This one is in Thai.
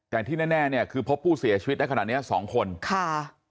แต่ที่แน่แน่เนี่ยคือพบผู้เสียชีวิตในขณะเนี้ยสองคนค่ะ